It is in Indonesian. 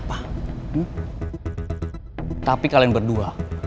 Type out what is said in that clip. buat apa lu burada